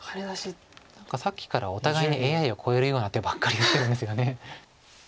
何かさっきからお互いにＡＩを超えるような手ばっかり打ってるんですよね。